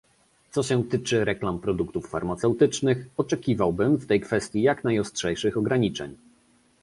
Co się tyczy reklam produktów farmaceutycznych, oczekiwałbym w tej kwestii jak najostrzejszych ograniczeń